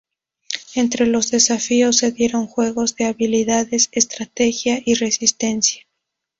Entre los desafíos se dieron juegos de habilidades, estrategia y resistencia.